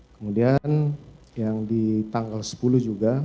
kemudian yang di tanggal sepuluh juga